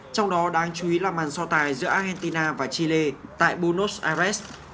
trong đó đáng chú ý là màn so tài giữa argentina và chile tại bunos aires